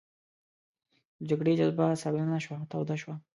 د جګړې جذبه سړه نه شوه توده شوه.